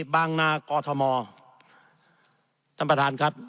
บางนากอทมท่านประธานครับ